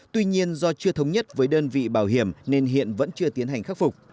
tuy nhiên do chưa thống nhất với đơn vị bảo hiểm nên hiện vẫn chưa tiến hành khắc phục